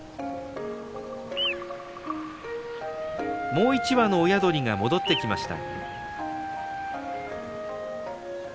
もう１羽の親鳥が戻ってきました。